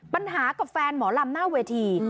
กับแฟนหมอลำหน้าเวที